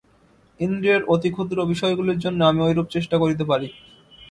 ইন্দ্রিয়ের অতি ক্ষুদ্র বিষয়গুলির জন্য আমি ঐরূপ চেষ্টা করিতে পারি।